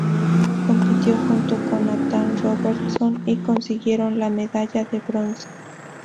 Compitió junto con Nathan Robertson y consiguieron la medalla de bronce.